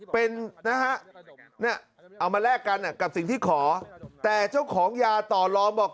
เป็นนะฮะเอามาแลกกันกับสิ่งที่ขอแต่เจ้าของยาต่อลองบอก